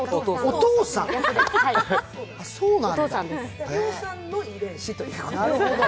お父さんの遺伝子という。